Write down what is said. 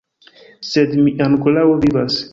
Sed mi ankoraŭ vivas.